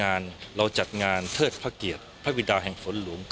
งานเราจัดงานเทิดพระเกียรติพระวิดาแห่งฝนหลวง